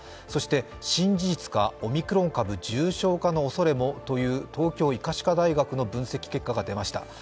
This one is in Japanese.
そして新事実か、オミクロン株重症化のおそれもという、東京医科歯科大学の分析結果が出ました。